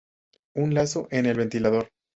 Un lazo en el ventilador.